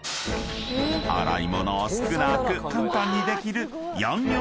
［洗い物を少なく簡単にできる］